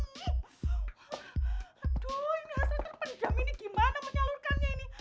aduh ini hasil terpenjam ini gimana menyalurkannya ini